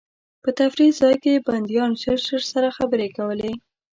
په تفریح ځای کې بندیان ژر ژر سره خبرې کولې.